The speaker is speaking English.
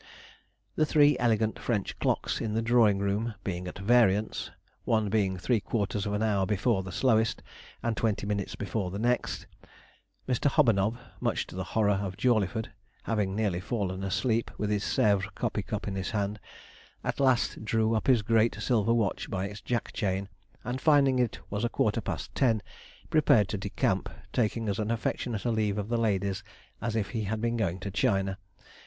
The three elegant French clocks in the drawing room being at variance, one being three quarters of an hour before the slowest, and twenty minutes before the next, Mr. Hobanob (much to the horror of Jawleyford) having nearly fallen asleep with his Sèvres coffee cup in his hand, at last drew up his great silver watch by its jack chain, and finding it was a quarter past ten, prepared to decamp taking as affectionate a leave of the ladies as if he had been going to China.